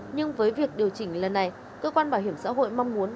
nhưng với việc điều chỉnh lần này cơ quan bảo hiểm xã hội mong muốn